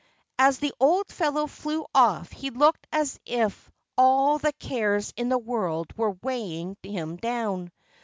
As the old fellow flew off he looked as if all the cares in the world were weighing him down.